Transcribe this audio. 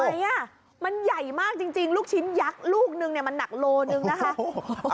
ไหนอ่ะมันใหญ่มากจริงลูกชิ้นยักษ์ลูกนึงเนี่ยมันหนักโลหนึ่งนะคะ